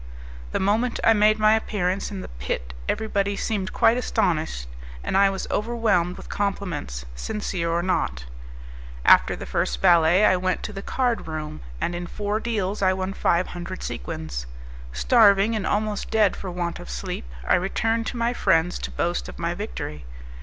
The moment I made my appearance in the pit everybody seemed quite astonished, and I was overwhelmed with compliments, sincere or not. After the first ballet I went to the card room, and in four deals I won five hundred sequins. Starving, and almost dead for want of sleep, I returned to my friends to boast of my victory.